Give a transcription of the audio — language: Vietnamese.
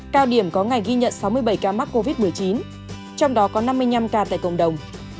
cao điểm có ngày ghi nhận sáu mươi bảy ca mắc covid một mươi chín trong đó có năm mươi năm ca tại cộng đồng